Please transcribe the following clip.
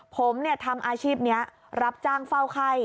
ผมทำอาชีพนี้รับจ้างเฝ้าไข้